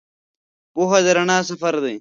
پوهه د رڼا سفر دی.